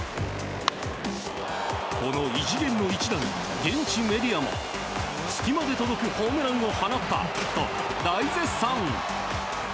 この異次元の一打に現地メディアも月まで届くホームランを放ったと大絶賛。